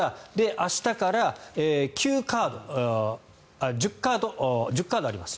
明日から１０カードあります。